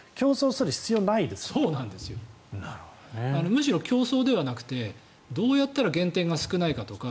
むしろ競争ではなくてどうやったら減点が少ないかとか。